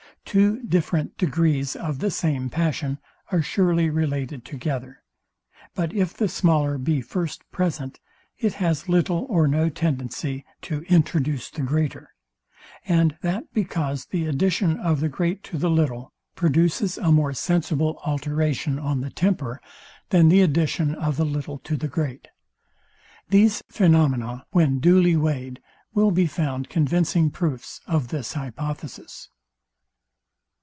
Two different degrees of the same passion are surely related together; but if the smaller be first present, it has little or no tendency to introduce the greater; and that because the addition of the great to the little, produces a more sensible alteration on the temper, than the addition of the little to the great. These phaenomena, when duly weighed, will be found convincing proofs of this hypothesis.